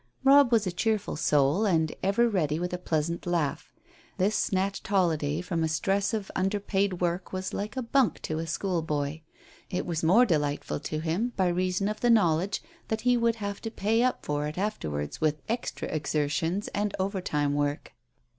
Robb was a cheerful soul and ever ready with a pleasant laugh. This snatched holiday from a stress of under paid work was like a "bunk" to a schoolboy. It was more delightful to him by reason of the knowledge that he would have to pay up for it afterwards with extra exertions and overtime work.